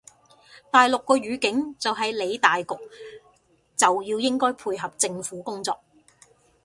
大陸個語境就係理大局就應該配合政府工作